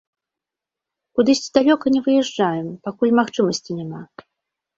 Кудысьці далёка не выязджаем, пакуль магчымасці няма.